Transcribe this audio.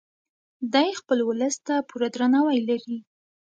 دی خپل ولس ته پوره درناوی لري.